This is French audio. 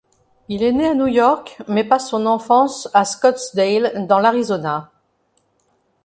Il est né à New York, mais passe son enfance à Scottsdale, dans l'Arizona.